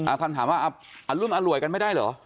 คำถามว่าอรุ่นอร่วยกันไม่ได้เหรอ